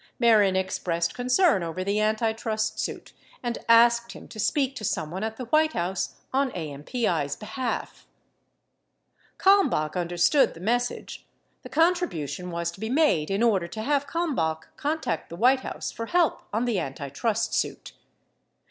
Mehren expressed con cern over the antitrust suit and asked him to speak to someone at the White House on AMPI's behalf. 41 Kalmbach understood the message — the contribution was to be made in order to have Kalmbach contact the White House for help on the antitrust suit.